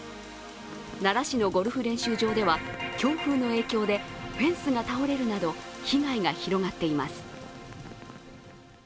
奈良市のゴルフ練習場では強風の影響でフェンスが倒れるなど被害が広がっています。